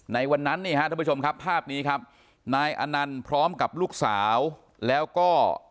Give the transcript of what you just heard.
ในวันนั้นนี่ฮะท่านผู้ชมครับภาพนี้ครับนายอนันต์พร้อมกับลูกสาวแล้วก็